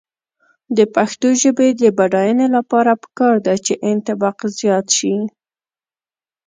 د پښتو ژبې د بډاینې لپاره پکار ده چې انطباق زیات شي.